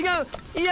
いや！